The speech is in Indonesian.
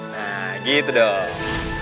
nah gitu dong